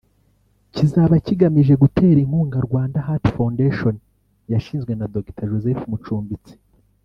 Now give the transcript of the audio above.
kizaba kigamije gutera inkunga « Rwanda Heart Foundation » yashinzwe na Dr Joseph Mucumbitsi